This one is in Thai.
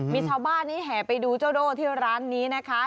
มีชาวบ้านนี้แห่ไปดูเจ้าโด่ที่ร้านนี้นะคะ